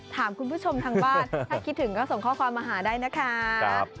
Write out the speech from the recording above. ถามคุณผู้ชมทางบ้านถ้าคิดถึงก็ส่งข้อความมาหาได้นะคะ